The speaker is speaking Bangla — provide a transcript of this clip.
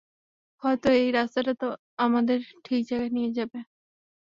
হয়ত এই রাস্তাটা আমাদের ঠিক জায়গায় নিয়ে যাবে।